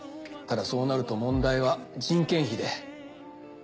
ただそうなると問題は人件費で。